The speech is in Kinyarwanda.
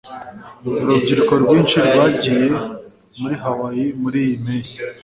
Urubyiruko rwinshi rwagiye muri Hawaii muriyi mpeshyi.